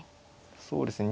そうですね。